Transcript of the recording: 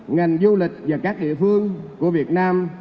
ngành du lịch và các địa phương của việt nam